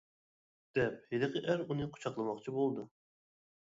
-دەپ ھېلىقى ئەر ئۇنى قۇچاقلىماقچى بولدى.